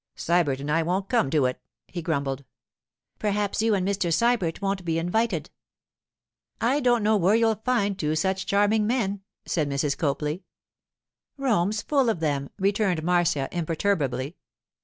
'Sybert and I won't come to it,' he grumbled. 'Perhaps you and Mr. Sybert won't be invited.' 'I don't know where you'd find two such charming men,' said Mrs. Copley. 'Rome's full of them,' returned Marcia imperturbably.